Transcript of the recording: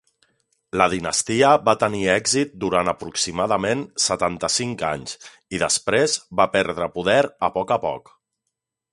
La dinastia va tenir èxit durant aproximadament setanta-cinc anys i després va perdre poder a poc a poc.